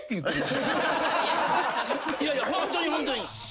いやいやホントにホントに。